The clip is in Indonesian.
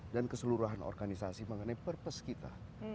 dan keseluruhan organisasi mengenai purpose kita